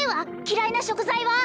嫌いな食材は？